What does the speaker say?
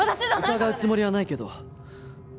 疑うつもりはないけど。